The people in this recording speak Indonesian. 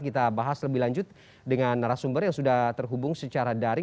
kita bahas lebih lanjut dengan narasumber yang sudah terhubung secara daring